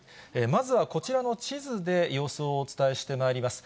まずはこちらの地図で様子をお伝えしてまいります。